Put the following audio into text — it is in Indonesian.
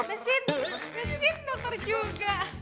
mesin mesin dokter juga